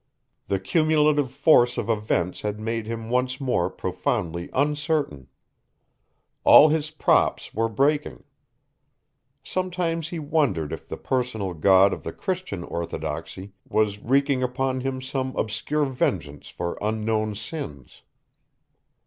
The cumulative force of events had made him once more profoundly uncertain. All his props were breaking. Sometimes he wondered if the personal God of the Christian orthodoxy was wreaking upon him some obscure vengeance for unknown sins.